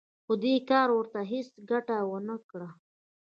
خو دې کار ورته هېڅ ګټه ونه کړه